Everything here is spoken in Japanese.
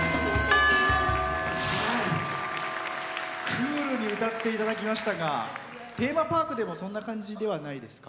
クールに歌っていただきましたがテーマパークでもそんな感じではないですか？